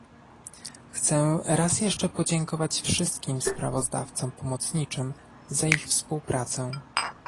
Chcę raz jeszcze podziękować wszystkim sprawozdawcom pomocniczym za ich współpracę